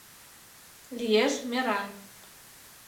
Лиеш «мераҥ».